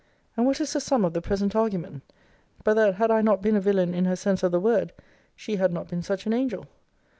And what is the sum of the present argument; but that had I not been a villain in her sense of the word, she had not been such an angel?